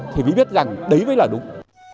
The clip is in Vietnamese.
thì biết rằng đấy mới là đúng